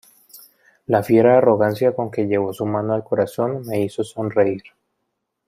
la fiera arrogancia con que llevó su mano al corazón, me hizo sonreír